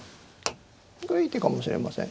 これいい手かもしれません。